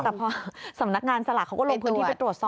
แต่พอสำนักงานสลากเขาก็ลงพื้นที่ไปตรวจสอบ